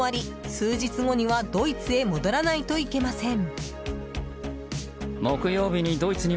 数日後にはドイツへ戻らないといけません。